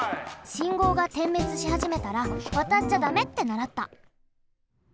信号が点滅しはじめたらわたっちゃだめってならった。